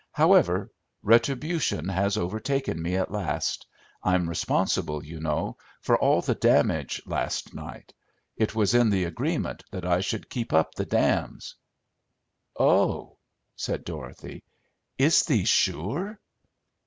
However, retribution has overtaken me at last; I'm responsible, you know, for all the damage last night. It was in the agreement that I should keep up the dams." "Oh!" said Dorothy; "is thee sure?"